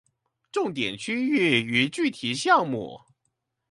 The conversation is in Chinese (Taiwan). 重點區域與具體項目